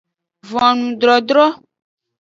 Vonudrodro.